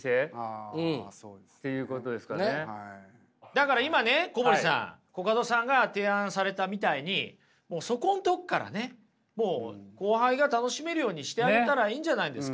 だから今ね小堀さん。コカドさんが提案されたみたいにもうそこのとこからねもう後輩が楽しめるようにしてあげたらいいんじゃないんですか。